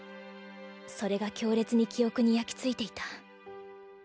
それが強烈に記憶に焼き付いていた。